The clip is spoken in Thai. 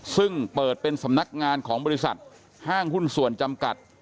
ซึ่งเปิดเป็นสำนักงานของบริษัทห้างหุ้นส่วนจำกัด